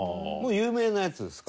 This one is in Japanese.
有名なやつですか？